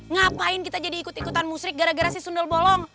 ngapain kita jadi ikut ikutan musik gara gara si sunda bolong